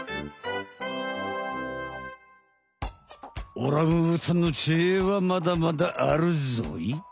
オランウータンの知恵はまだまだあるぞい！